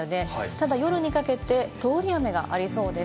ただ夜にかけて通り雨がありそうです。